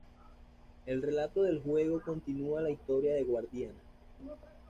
El relato del juego continúa la historia de Guardiana.